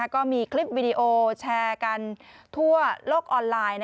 ก็มีคลิปวิดีโอแชร์กันทั่วโลกออนไลน์